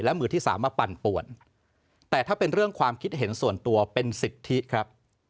และมือที่สามมาปั่นป่วนแต่ถ้าเป็นเรื่องความคิดเห็นส่วนตัวเป็นสิทธิครับ